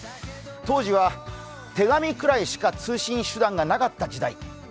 当時は、手紙くらいしか通信手段がなかった時代。